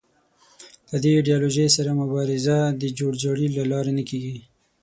له دې ایدیالوژۍ سره مبارزه د جوړ جاړي له لارې نه کېږي